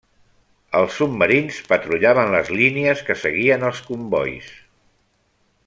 Els submarins patrullaven les línies que seguien els combois.